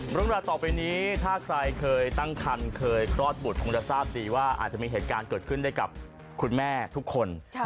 เรื่องราวต่อไปนี้ถ้าใครเคยตั้งคันเคยคลอดบุตรคงจะทราบดีว่าอาจจะมีเหตุการณ์เกิดขึ้นได้กับคุณแม่ทุกคน